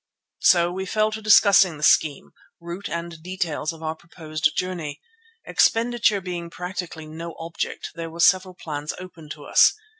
So we fell to discussing the scheme, route and details of our proposed journey. Expenditure being practically no object, there were several plans open to us.